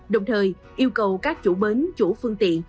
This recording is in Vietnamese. đồng thời yêu cầu các chủ bến chủ phương tiện